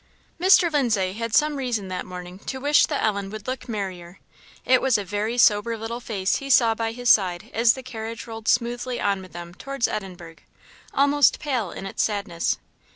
Mr. Lindsay had some reason that morning to wish that Ellen would look merrier; it was a very sober little face he saw by his side as the carriage rolled smoothly on with them towards Edinburgh; almost pale in its sadness.